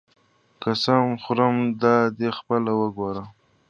قسم خورم دادی خپله وګوره.